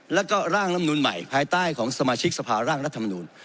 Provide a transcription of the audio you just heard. แล้วก็ร่างลำนูนใหม่ภายใต้ของสมาชิกสภาร่างรัฐมนูล